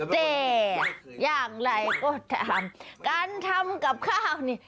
แต่อย่างไรก็ถามการทำกับข้าวนี่